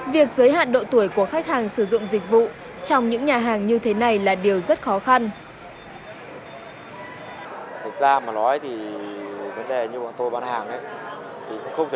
việc giới hạn của bà toàn là một vấn đề rất quan trọng